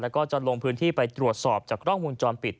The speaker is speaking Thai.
แล้วก็จะลงพื้นที่ไปตรวจสอบจากกล้องวงจรปิด